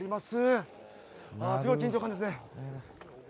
すごい緊張感ですね。